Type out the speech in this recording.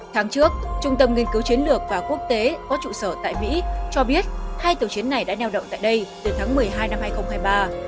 tháng trước trung tâm nghiên cứu chiến lược và quốc tế có trụ sở tại mỹ cho biết hai tàu chiến này đã neo đậu tại đây từ tháng một mươi hai năm hai nghìn hai mươi ba